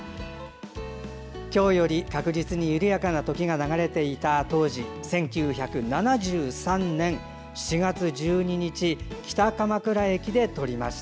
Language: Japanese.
今日より確実に緩やかな時が流れていた当時１９７３年４月１２日北鎌倉駅で撮りました。